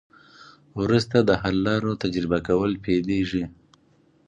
وروسته د حل لارو تجربه کول پیلیږي.